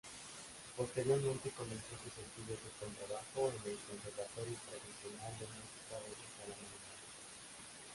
Posteriormente comenzó sus estudios de contrabajo en el Conservatorio Profesional de Música de Salamanca.